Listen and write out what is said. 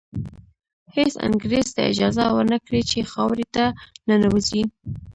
هېڅ انګریز ته اجازه ور نه کړي چې خاورې ته ننوځي.